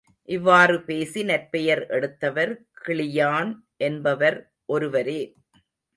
இவ்வாறு பேசி நற்பெயர் எடுத்தவர் கிளியான் என்பவர் ஒருவரே.